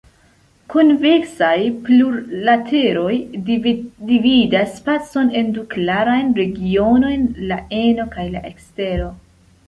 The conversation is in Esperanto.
Konveksaj plurlateroj dividas spacon en du klarajn regionojn, la eno kaj la ekstero.